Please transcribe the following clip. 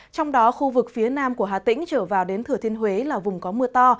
trong đó khu vực phía nam của hà tĩnh trở vào đến thừa thiên huế là vùng có mưa to